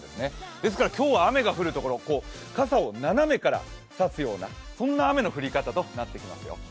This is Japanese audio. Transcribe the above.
ですから、今日雨が降る所は傘を斜めから差すようなそんな雨の降り方となってきますよ。